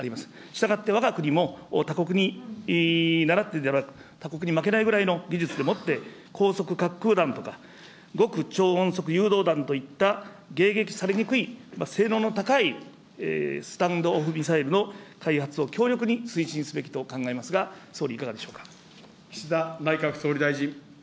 したがって、わが国も他国にならって、他国に負けないぐらいの技術でもって、高速滑空弾とか、極超音速誘導弾といった、迎撃されにくい性能の高いスタンド・オフ・ミサイルの開発を強力に推進すべきと考えますが、総理、いかがでしょうか。